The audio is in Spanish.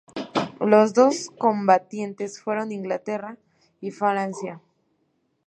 Los dos combatientes fueron Inglaterra y Francia.